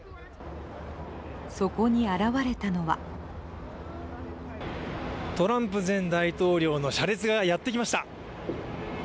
そこに現れたのはトランプ前大統領の車列がやってきました。